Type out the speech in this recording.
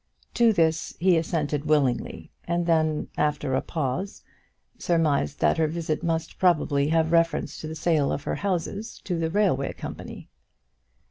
To this he assented willingly, and then, after a pause, surmised that her visit must probably have reference to the sale of her houses to the railway company.